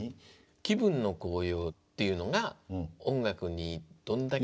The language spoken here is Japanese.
気分の高揚っていうのが音楽にどんだけ。